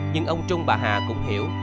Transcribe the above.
nhưng ông trung bà hà cũng hiểu